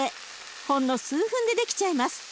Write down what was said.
ほんの数分で出来ちゃいます。